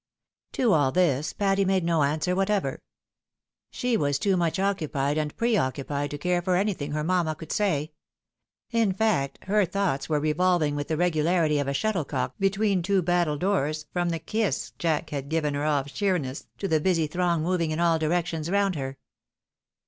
To all this, Patty made no answer whatever. She was too much occupied and pre occupied to care for anything her mamma could say. In fact, her thoughts were revolving with the regularity of a shut tlecock between two battledoors, from the kiss Jack had given her off Sheerness, to the busy throng moving in all directions roimd her.